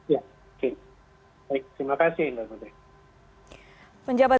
ya baik terima kasih mbak putri